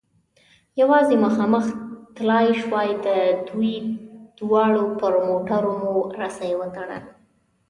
یوازې مخامخ تلای شوای، د دوی دواړو پر موټرو مو رسۍ و تړل.